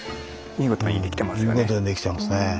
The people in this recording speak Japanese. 見事にできてますね。